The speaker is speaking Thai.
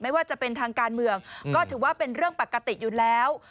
ไม่ว่าจะเป็นทางการเมืองก็ถือว่าเป็นเรื่องปกติอยู่แล้ว